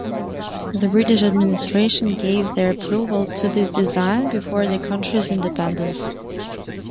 The British administration gave their approval to this design before the country's independence.